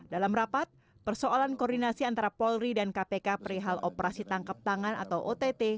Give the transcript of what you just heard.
dalam rapat persoalan koordinasi antara polri dan kpk perihal operasi tangkap tangan atau ott